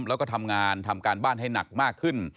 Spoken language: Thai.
แล้วก็ทำงานทำการบ้านให้หนักมากขึ้น